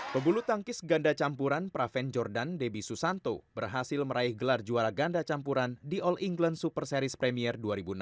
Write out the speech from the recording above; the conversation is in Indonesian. pebulu tangkis ganda campuran praven jordan debbie susanto berhasil meraih gelar juara ganda campuran di all england super series premier dua ribu enam belas